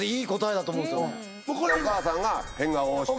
お母さんが変顔をして。